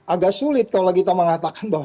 agak sulit kalau kita mengatakan bahwa